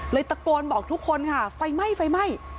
ตะโกนบอกทุกคนค่ะไฟไหม้ไฟไหม้